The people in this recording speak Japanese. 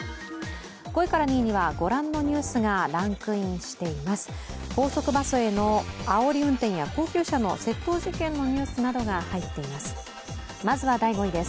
５位から２位には、ご覧のニュースがランクインしています。